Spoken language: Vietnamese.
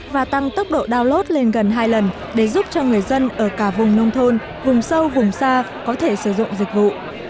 và tăng tốc độ download lên gần hai lần để giúp cho người dân ở cả vùng nông thôn vùng sâu vùng xa có thể sử dụng dịch vụ